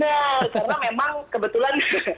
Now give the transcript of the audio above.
karena memang kebetulan